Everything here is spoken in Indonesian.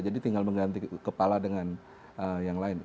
jadi tinggal mengganti kepala dengan yang lain